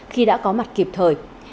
khi đã có mặt kịp thời